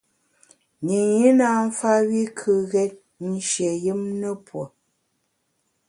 Nyinyi nâ mfa wi kù ghét nshié yùm ne pue.